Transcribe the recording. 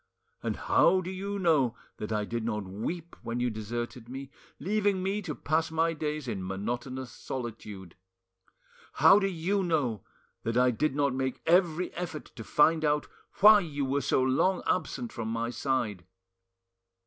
And how do you know that I did not weep when you deserted me, leaving me to pass my days in monotonous solitude? How do you know that I did not make every effort to find out why you were so long absent from my side?